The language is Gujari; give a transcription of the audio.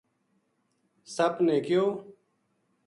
سپ نے کہیو